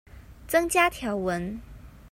增加條文